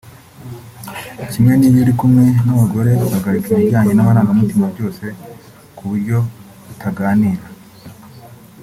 Kimwe n’iyo uri kumwe n’abagore uhagarika ibijyanye n’amarangamutima byose ku buryo utaganira